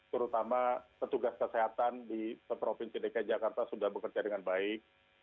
terutama petugas kesehatan di provinsi dki jakarta sudah bekerja dengan baik